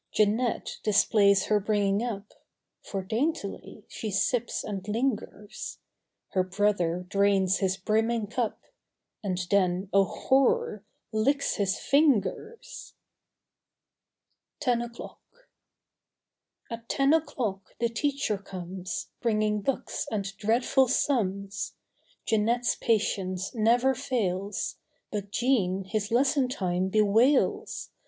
Jeanette displays her bringing up. For daintily she sips and lingers. Her brother drains his brimming cup. And then—oh, horror!—licks his fingers! 13 NINE O'CLOCK 15 TEN O'CLOCK AT ten o'clock the teacher comes ZjL Bringing books and dreadful Jeanette's patience never fails, But Jean his lesson time bewails.